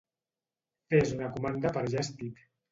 Fes una comanda per Just Eat.